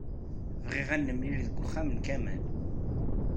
Bɣiɣ ad nemlil deg uxxam n Kamal.